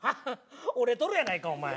折れとるやないかお前。